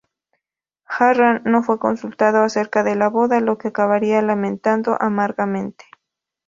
Arran no fue consultado acerca de la boda, lo que acabaría lamentando amargamente.